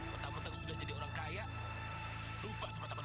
betapa kau sudah jadi orang kaya lupa sama sama